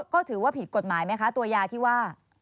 ก็ถือว่าผิดกฎหมายไหมคะตัวยาที่ว่า